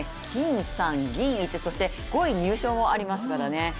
金３、銀１、そして５位入賞もありますからね。